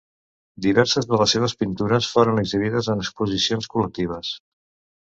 Diverses de les seves pintures foren exhibides en exposicions col·lectives.